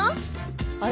あれ？